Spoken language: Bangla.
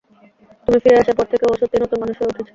তুমি ফিরে আসার পর থেকে ও সত্যিই নতুন মানুষ হয়ে উঠেছে।